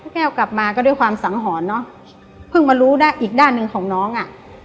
แก้วกลับมาก็ด้วยความสังหรณ์เนอะเพิ่งมารู้ได้อีกด้านหนึ่งของน้องอ่ะ